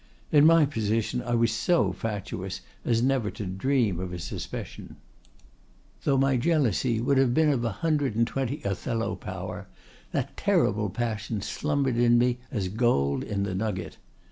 In my position I was so fatuous as never to dream of a suspicion. Though my jealousy would have been of a hundred and twenty Othello power, that terrible passion slumbered in me as gold in the nugget.